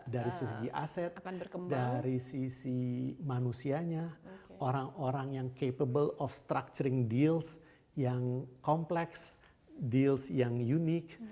dari segi aset dari sisi manusianya orang orang yang capable of structuring deals yang kompleks deals yang unik